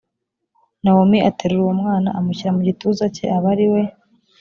nawomi aterura uwo mwana amushyira mu gituza cye aba ari we